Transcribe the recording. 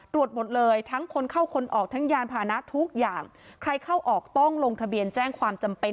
ตรวจหมดเลยทั้งคนเข้าคนออกทั้งยานพานะทุกอย่างใครเข้าออกต้องลงทะเบียนแจ้งความจำเป็น